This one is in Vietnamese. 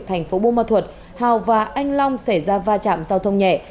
thành phố môn thuật hào và anh long xảy ra va chạm giao thông nhẹ